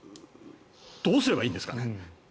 どうすればいいんですかね。